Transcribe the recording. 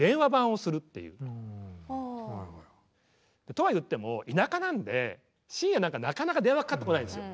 とはいっても田舎なんで深夜なんかなかなか電話かかってこないんすよ。